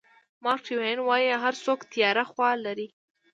مارک ټواین وایي هر څوک تیاره خوا لري.